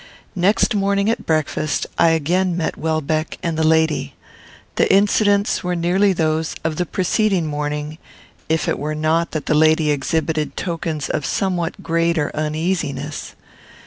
Next morning, at breakfast, I again met Welbeck and the lady. The incidents were nearly those of the preceding morning, if it were not that the lady exhibited tokens of somewhat greater uneasiness.